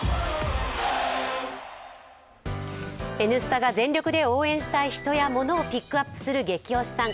「Ｎスタ」が全力で応援したい人やモノをピックアップする「ゲキ推しさん」